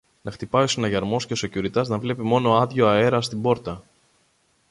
να χτυπάει ο συναγερμός και ο σεκιουριτάς να βλέπει μόνο άδειο αέρα στην πόρτα